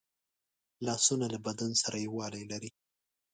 لاسونه له بدن سره یووالی لري